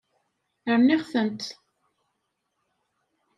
Rniɣ-tent.